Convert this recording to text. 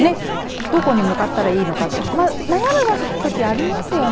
どこに向かったらいいのかって悩むときありますよね。